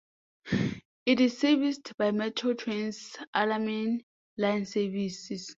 It is serviced by Metro Trains' Alamein line services.